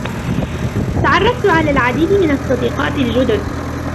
تعرفت على العديد من الصديقات الجدد.